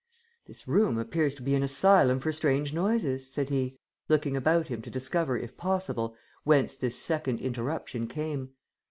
"This room appears to be an asylum for strange noises," said he, looking about him to discover, if possible, whence this second interruption came.